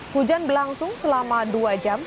hujan berlangsung selama dua jam